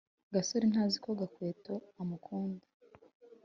gasore ntazi ko gakwego amukunda